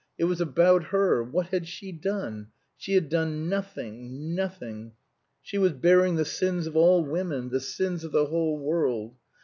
It was about her, What had she done? She had done nothing nothing. She was bearing the sins of all women, the sins of the whole world.